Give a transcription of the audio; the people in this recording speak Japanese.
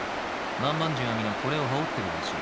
南蛮人は皆これを羽織ってるらしい。